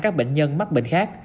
các bệnh nhân mắc bệnh khác